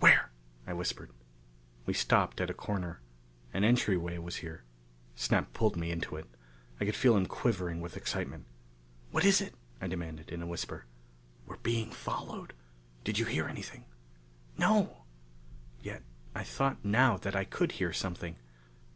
"Where?" I whispered. We stopped at a corner. An entryway was here. Snap pulled me into it. I could feel him quivering with excitement. "What is it?" I demanded in a whisper. "We're being followed. Did you hear anything?" "No!" Yet I thought now that I could hear something.